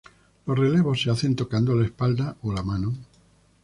Los relevos se hacen tocando la espalda o la mano.